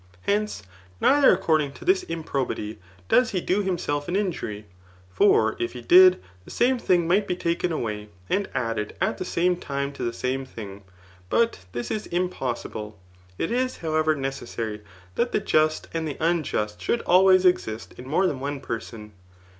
Hence, neither according to this improbity does he do himself an injury ; for if he did, the same thing might be taken away and added at the same time to the same thing ; but this is impossible. It is, however, necessary that the just and the unjust should always exist in more than one person.